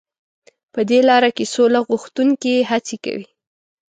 په دې لاره کې سوله غوښتونکي هڅې کوي.